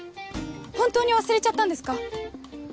本当に忘れちゃったんですか？